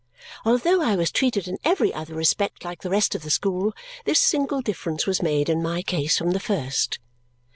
Although I was treated in every other respect like the rest of the school, this single difference was made in my case from the first.